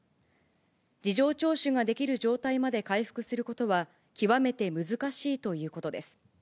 事情聴取ができる状態まで回復することは、極めて難しいということです。